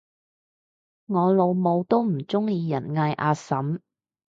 我老母都唔鍾意人嗌阿嬸